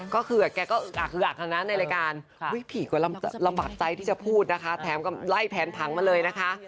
ก็คือแกก็อึกอักคืออักนะในรายการผีก็ลำบากใจที่จะพูดนะคะแถมก็ไล่แผนผังมาเลยนะคะ